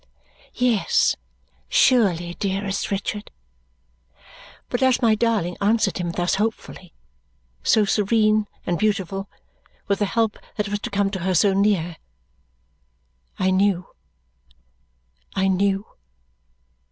"Yes, surely, dearest Richard!" But as my darling answered him thus hopefully, so serene and beautiful, with the help that was to come to her so near I knew I knew!